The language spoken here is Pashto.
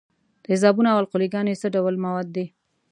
تیزابونه او القلې ګانې څه ډول مواد دي؟